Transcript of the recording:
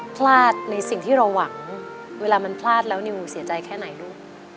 พลาดในสิ่งที่เราหวังเวลามันพลาดแล้วนิวเสียใจแค่ไหนลูก